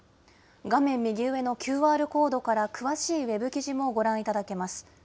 画面右上のＱＲコードから詳しいウェブ記事もご覧いただけます。